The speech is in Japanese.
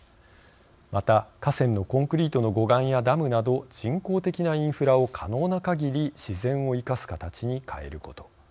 また河川のコンクリートの護岸やダムなど人工的なインフラを可能なかぎり自然を生かす形に変えること。